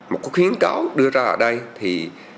một cuộc hiến cáo đưa ra ở đây thì